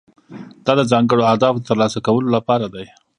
دا د ځانګړو اهدافو د ترلاسه کولو لپاره دی.